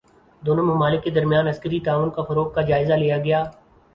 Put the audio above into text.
دونوں ممالک کے درمیان عسکری تعاون کے فروغ کا جائزہ لیا گیا